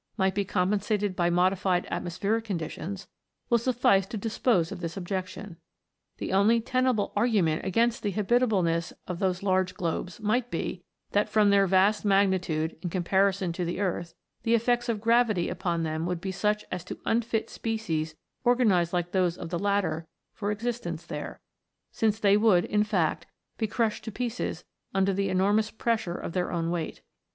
185 might be compensated by modified atmospheric con ditions, will suffice to dispose of this objection. The only tenable argument against the habitable ness of those large globes might be, that from their vast magnitude in comparison to the earth the effects of gravity upon them would be such as to unfit species organized like those of the latter for existence there, since they would, in fact, be crushed to pieces under the enormous pressure of their own weight.